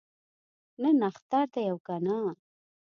نن اختر دی او کنه؟